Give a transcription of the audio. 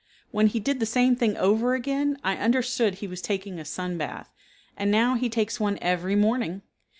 When he did the same thing over again I understood he was taking a sun bath, and now he takes one every morning.